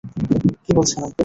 কী বলছেন, আঙ্কেল?